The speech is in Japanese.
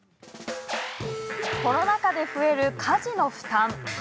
コロナ禍で増える家事の負担。